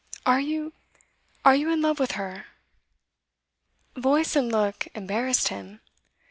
'Are you are you in love with her?' Voice and look embarrassed him.